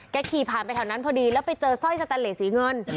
ขี่ผ่านไปแถวนั้นพอดีแล้วไปเจอสร้อยสแตนเลสสีเงิน